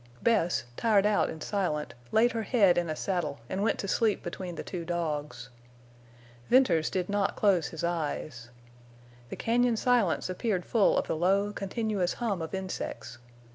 Bess, tired out and silent, laid her head in a saddle and went to sleep between the two dogs. Venters did not close his eyes. The cañon silence appeared full of the low, continuous hum of insects.